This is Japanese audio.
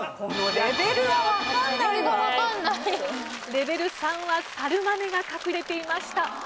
レベル３は「猿真似」が隠れていました。